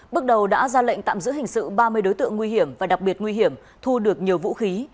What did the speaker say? bước đầu đã ra lệnh tạm giữ hình sự ba mươi đối tượng nguy hiểm và đặc biệt nguy hiểm thu được nhiều vũ khí